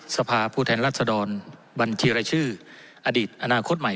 สภาผู้แทนรัศดรบัญชีรายชื่ออดีตอนาคตใหม่